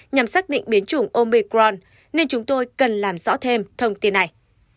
nhằm xác định biến chủng omicron nên chúng tôi cần làm rõ thêm thông tin này